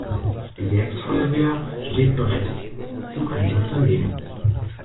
Die Werksfeuerwehr steht bereit zum Eingriff daneben.